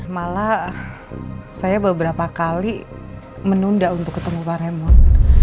malah saya beberapa kali menunda untuk ketemu pak ramon